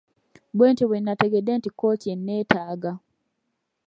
Bwentyo bwe nategedde nti kkooti enneetaaga.